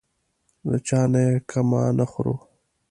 له چا نه یې کمه نه خورو.